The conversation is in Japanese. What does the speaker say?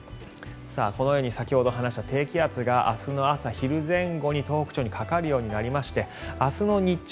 先ほど話した低気圧が明日の朝、昼前後に東北地方にかかるようになりまして明日の日中